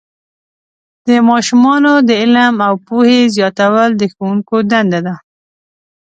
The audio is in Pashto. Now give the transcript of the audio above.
د ماشومانو د علم او پوهې زیاتول د ښوونکو دنده ده.